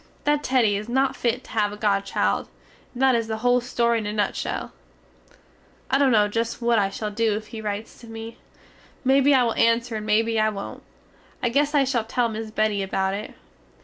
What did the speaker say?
That Teddy is not fit to have a godchild, and that is the hole story in a nutshell. I dunno just what I shall do if he rites to me. Mebbe I will anser and mebbe I wont. I guess I shall tell miss Betty about it.